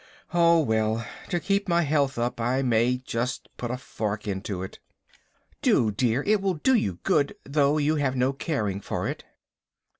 "Oh, well, to keep my health up I may just put a fork into it." "Do, dear; it will do you good, though you have no caring for it."